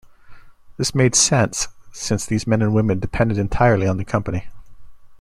This made sense since these men and women depended entirely on the company.